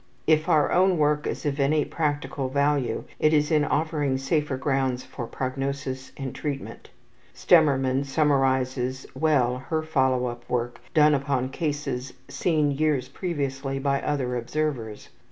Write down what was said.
If our own work is of any practical value it is in offering safer grounds for prognosis and treatment. Stemmermann summarizes well her follow up work done upon cases seen years previously by other observers.